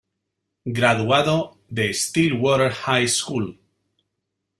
Graduado de Stillwater High School.